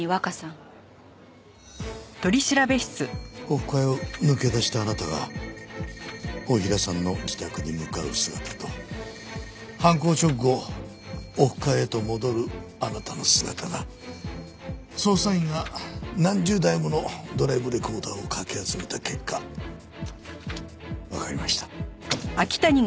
オフ会を抜け出したあなたが太平さんの自宅に向かう姿と犯行直後オフ会へと戻るあなたの姿が捜査員が何十台ものドライブレコーダーをかき集めた結果わかりました。